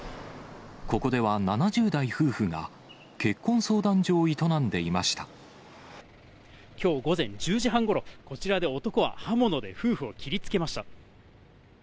ここでは７０代夫婦が、きょう午前１０時半ごろ、こちらで男は刃物で夫婦を切りつけました。